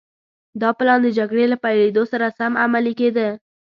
دا پلان د جګړې له پيلېدو سره سم عملي کېده.